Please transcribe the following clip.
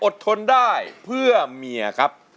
ทนได้เพื่อเมียครับ